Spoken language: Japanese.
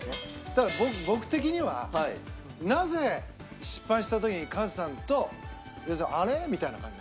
ただ僕的にはなぜ失敗した時にカズさんと良純さん「あれ？」みたいな感じ。